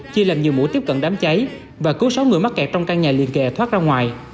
chia làm nhiều mũi tiếp cận đám cháy và cứu sáu người mắc kẹt trong căn nhà liền kề thoát ra ngoài